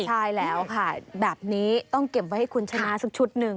ใช่แล้วค่ะแบบนี้ต้องเก็บไว้ให้คุณชนะสักชุดหนึ่ง